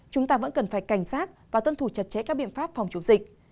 chúng ta vẫn cần phải cảnh sát và tuân thủ chặt chẽ các biện pháp phòng chống dịch